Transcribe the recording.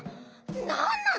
なんなの？